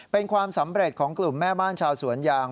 เป็นความสำเร็จของกลุ่มแม่บ้านชาวสวนยาง